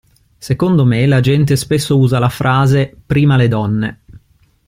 Secondo me, la gente spesso usa la frase: "prima le donne".